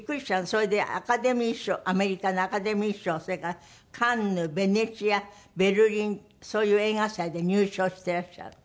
それでアカデミー賞アメリカのアカデミー賞それからカンヌヴェネツィアベルリンそういう映画祭で入賞してらっしゃる。